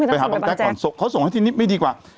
ไปหาบางแจ๊กก่อนเขาส่งให้ทีนี้ไม่ดีกว่า